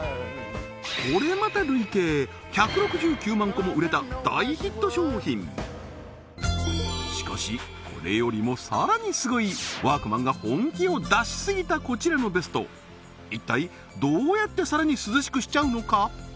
これまたしかしこれよりもさらにすごいワークマンが本気を出しすぎたこちらのベスト一体どうやってさらに涼しくしちゃうのか？